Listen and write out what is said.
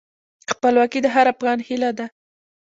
خپلواکي د هر افغان هیله ده.